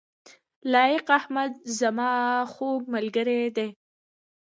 لائق احمد زما خوږ ملګری دی